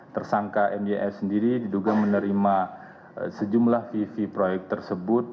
tersangka myf sendiri diduga menerima sejumlah fee fee proyek tersebut